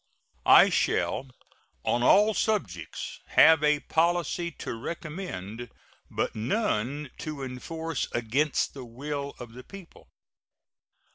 I shall on all subjects have a policy to recommend, but none to enforce against the will of the people.